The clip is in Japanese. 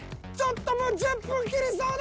もう１０分切りそうだ。